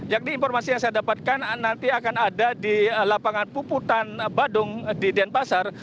yakni informasi yang saya dapatkan nanti akan ada di lapangan puputan badung di denpasar